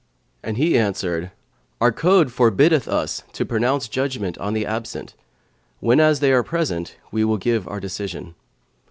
And he answered, "Our code forbiddeth us to pronounce judgement on the absent; whenas they are present, we will give our decision."